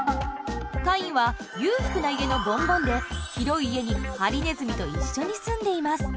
カインは裕福な家のボンボンで広い家にハリネズミと一緒に住んでいます。